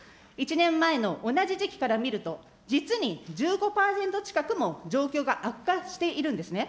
１年前の同じ時期から見ると、実に１５％近くも状況が悪化しているんですね。